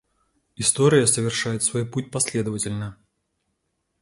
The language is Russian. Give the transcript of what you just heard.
История совершает свой путь последовательно.